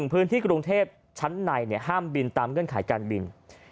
พื้นที่กรุงเทพชั้นในห้ามบินตามเงื่อนไขการบิน